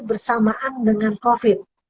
bersamaan dengan covid